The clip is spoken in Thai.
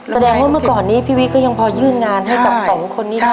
แสดงว่าเมื่อก่อนนี้พี่วิทก็ยังพอยื่นงานให้กับสองคนนี้ได้